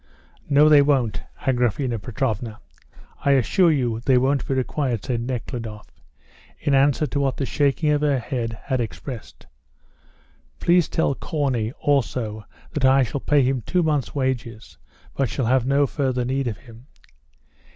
"No, they won't, Agraphena Petrovna; I assure you they won't be required," said Nekhludoff, in answer to what the shaking of her head had expressed. "Please tell Corney also that I shall pay him two months' wages, but shall have no further need of him."